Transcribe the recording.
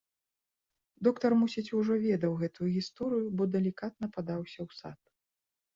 Доктар, мусіць, ужо ведаў гэтую гісторыю, бо далікатна падаўся ў сад.